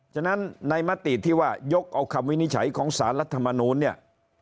ฉะนั้นในมติที่ว่ายกเอาคำวินิจฉัยของสารรัฐมนูลเนี่ย